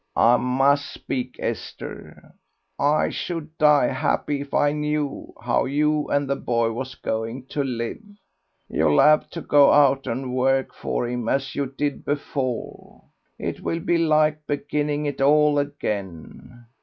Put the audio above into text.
"I must speak, Esther. I should die happy if I knew how you and the boy was going to live. You'll have to go out and work for him as you did before. It will be like beginning it all again."